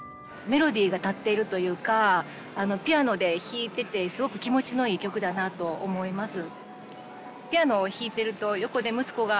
メロディーが立っているというかピアノで弾いててすごく気持ちのいい曲だなと思います。